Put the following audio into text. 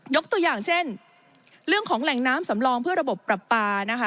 ตัวอย่างเช่นเรื่องของแหล่งน้ำสำรองเพื่อระบบปรับปลานะคะ